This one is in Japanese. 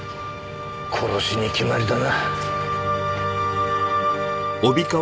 殺しに決まりだな。